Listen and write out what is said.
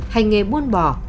hành nghề buôn bò